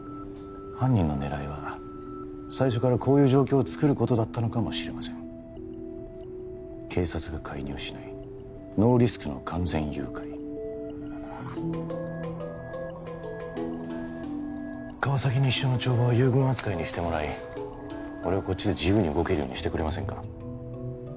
犯人の狙いは最初からこういう状況をつくることだったのかもしれません警察が介入しないノーリスクの完全誘拐川崎西署の帳場は遊軍扱いにしてもらい俺をこっちで自由に動けるようにしてくれませんか？